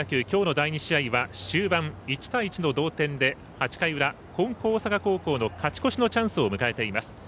きょうの第２試合は終盤１対１の同点で、８回裏金光大阪高校の勝ち越しのチャンスを迎えています。